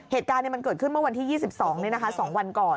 เหตุการณ์มันเกิดขึ้นเมื่อวันที่๒๒๒วันก่อน